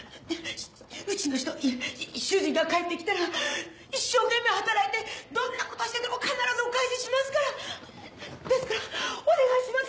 うちの人いえ主人がかえってきたら一生懸命働いてどんなことしてでも必ずお返ししますからですからお願いします！